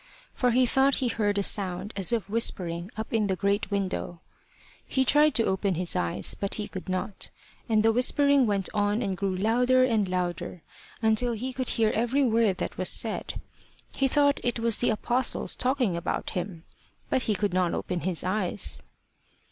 For he thought he heard a sound as of whispering up in the great window. He tried to open his eyes, but he could not. And the whispering went on and grew louder and louder, until he could hear every word that was said. He thought it was the Apostles talking about him. But he could not open his eyes.